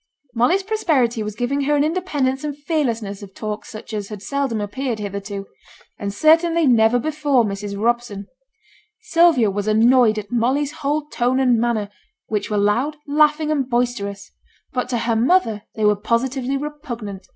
Molly's prosperity was giving her an independence and fearlessness of talk such as had seldom appeared hitherto; and certainly never before Mrs. Robson. Sylvia was annoyed at Molly's whole tone and manner, which were loud, laughing, and boisterous; but to her mother they were positively repugnant.